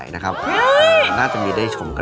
เดี๋ยวจะไปซื้อให้ค่ะ